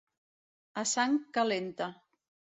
A sang calenta.